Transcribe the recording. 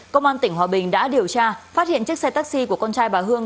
công an tỉnh hòa bình đã điều tra phát hiện chiếc xe taxi của con trai bà hương